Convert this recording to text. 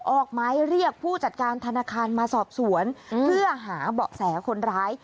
ออกไม้เรียกผู้จัดการธนาคารมาสอบสวนเพื่อหาเบาะแสคนร้าย